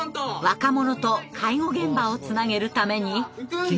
若者と介護現場をつなげるために。